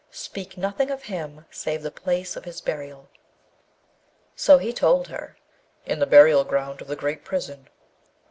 Speak nothing of him, save the place of his burial!' So he told her, 'In the burial ground of the great prison.'